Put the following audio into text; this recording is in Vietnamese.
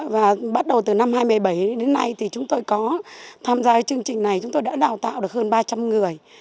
và bắt đầu từ năm hai nghìn một mươi bảy đến nay thì chúng tôi có tham gia chương trình này chúng tôi đã đào tạo được hơn ba trăm linh người